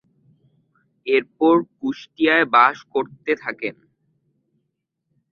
এরপর কুষ্টিয়ায় বাস করতে থাকেন।